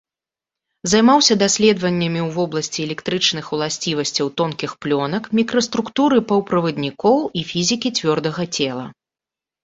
Займаўся даследаваннямі ў вобласці электрычных уласцівасцяў тонкіх плёнак, мікраструктуры паўправаднікоў і фізікі цвёрдага цела.